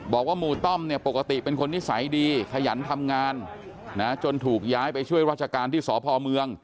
บอกว่าหมู่ต้อมเนี่ยปกติเป็นคนนิสัยดีขยันทำงานนะจนถูกย้ายไปช่วยราชการที่สพเมือง